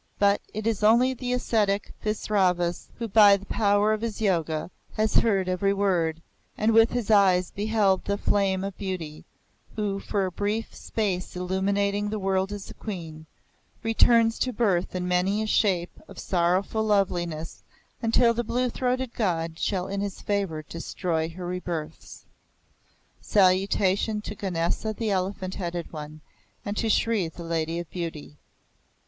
But it is only the ascetic Visravas who by the power of his yoga has heard every word, and with his eyes beheld that Flame of Beauty, who, for a brief space illuminating the world as a Queen, returns to birth in many a shape of sorrowful loveliness until the Blue throated God shall in his favour destroy her rebirths. Salutation to Ganesa the Elephant Headed One, and to Shri the Lady of Beauty!